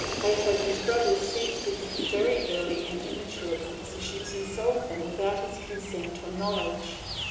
Beethoven's brothers seized his very early and immature compositions and sold them without his consent or knowledge.